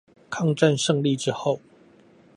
抗戰勝利之後